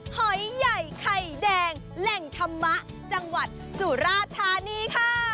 หอยใหญ่ไข่แดงแหล่งธรรมะจังหวัดสุราธานีค่ะ